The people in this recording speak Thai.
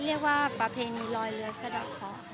เรียกว่าประเพณีลอยเรือสะดอกเคาะ